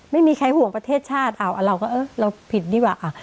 ไม่มีใครห่วงประเทศชาติอ่ะเราก็เออเราผิดนี่แหวะอ่ะ